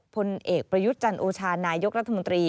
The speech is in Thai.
พลเอกประยุทธ์จันโอชานายกรัฐมนตรี